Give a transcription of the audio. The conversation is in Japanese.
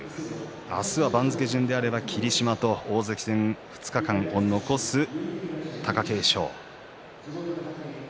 明日は番付順であれば霧島と大関戦に２日間を残す貴景勝。